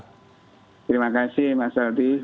terima kasih mas aldi